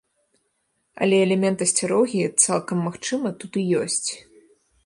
Але элемент асцярогі, цалкам магчыма, тут і ёсць.